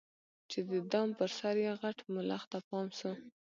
چي د دام پر سر یې غټ ملخ ته پام سو